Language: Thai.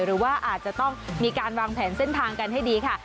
หรือว่าอาจจะต้องมีการวางแผนเส้นทางกันให้ดีค่ะ